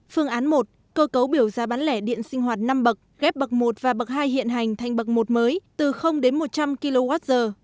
phương án một cơ cấu biểu giá bán lẻ điện sinh hoạt năm bậc ghép bậc một và bậc hai hiện hành thành bậc một mới từ đến một trăm linh kwh